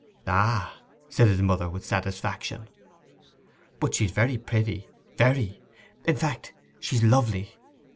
'Ah!' said his mother, with satisfaction. 'But she's very pretty—very. In fact, she's lovely.